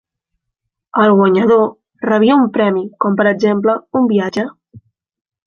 El guanyador rebia un premi com per exemple un viatge.